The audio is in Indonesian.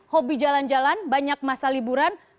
hobi jalan jalan banyak masa liburan